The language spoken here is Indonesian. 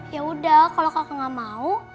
yaudah kalau kakak gak mau